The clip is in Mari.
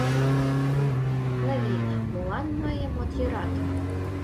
Клави, молан мыйым от йӧрате?